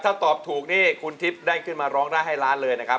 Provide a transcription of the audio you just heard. ถ้าตอบถูกนี่คุณทิพย์ได้ขึ้นมาร้องได้ให้ล้านเลยนะครับ